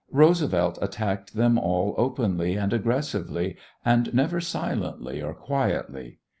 Roosevelt attacked them all openly and aggressively and never silently or quietly.